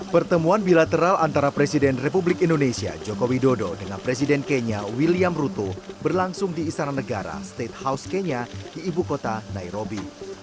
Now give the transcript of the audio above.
pertemuan bilateral antara presiden republik indonesia joko widodo dengan presiden kenya william ruto berlangsung di istana negara state house kenya di ibu kota nairobi